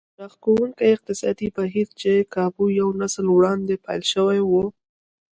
راښکوونکي اقتصادي بهير چې کابو يو نسل وړاندې پيل شوی و.